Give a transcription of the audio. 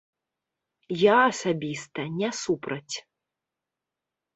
Я асабіста не супраць.